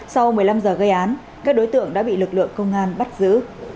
sau một mươi năm giờ gây án các đối tượng đã bị lực lượng công an bắt giữ